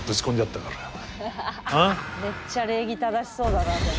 めっちゃ礼儀正しそうだなでも。